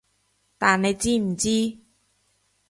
但你知唔知？